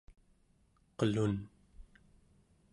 qelun¹